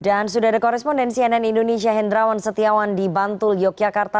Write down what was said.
dan sudah ada korespondensi nn indonesia hendrawan setiawan di bantul yogyakarta